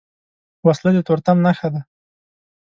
وسله د تورتم نښه ده